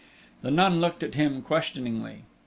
The nun looked at him questioningly.